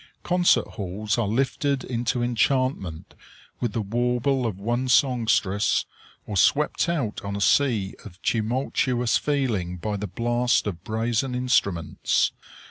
Concert halls are lifted into enchantment with the warble of one songstress, or swept out on a sea of tumultuous feeling by the blast of brazen instruments.